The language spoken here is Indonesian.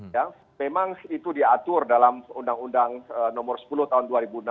ya memang itu diatur dalam undang undang nomor sepuluh tahun dua ribu enam belas